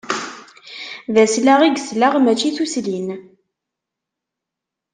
D aslaɣ i yesleɣ, mačči tuslin.